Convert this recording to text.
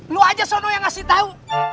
lu aja sono yang ngasih tahu